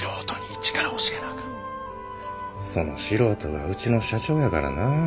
その素人がうちの社長やからな。